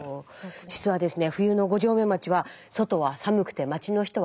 実はですね